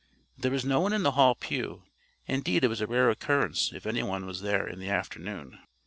There was no one in the Hall pew; indeed it was a rare occurrence if any one was there in the afternoon.